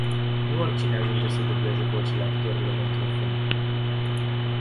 Nu oricine ajunge să dubleze vocile actorilor într-un film.